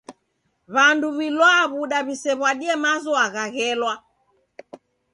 W'andu w'ilwaa w'uda w'isew'adie mazwagha ghelwa.